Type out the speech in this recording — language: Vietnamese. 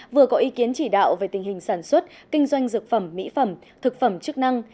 vừa có ý kiến chỉ đạo về tình hình sản xuất kinh doanh dược phẩm mỹ phẩm thực phẩm chức năng